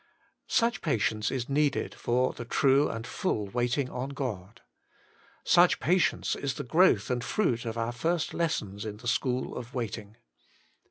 Such patience is needed for the true and full waiting on God. Such patience is the growth and fruit of our first lessons in the school of waiting.